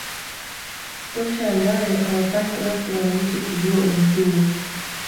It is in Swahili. tosha ambayo awafanye basi wananchi kujua muhimu